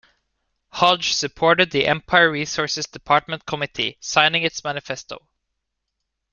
Hodge supported the Empire Resources Department Committee, signing its manifesto.